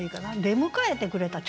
「出迎えてくれた」